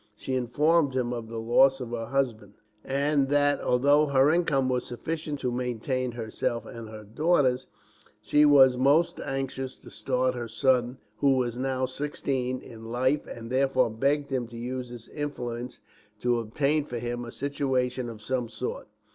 She informed him of the loss of her husband, and that, although her income was sufficient to maintain herself and her daughters, she was most anxious to start her son, who was now sixteen, in life; and therefore begged him to use his influence to obtain for him a situation of some sort.